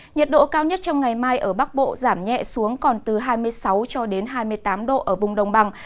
nhiệt độ cao nhất trong ngày mai ở bắc bộ giảm nhẹ xuống còn từ hai mươi sáu cho đến hai mươi tám độ ở vùng đồng bằng